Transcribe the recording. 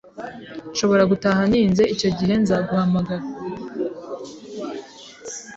Nshobora gutaha ntinze. Icyo gihe, nzaguhamagara.